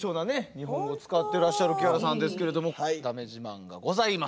日本語使ってらっしゃるキアラさんですけれどもだめ自慢がございます。